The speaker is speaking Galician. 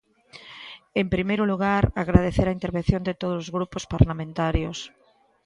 En primeiro lugar, agradecer a intervención de todos os grupos parlamentarios.